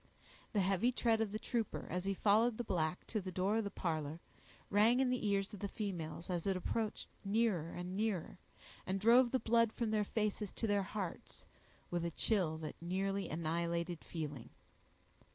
The heavy tread of the trooper, as he followed the black to the door of the parlor, rang in the ears of the females as it approached nearer and nearer, and drove the blood from their faces to their hearts, with a chill that nearly annihilated feeling.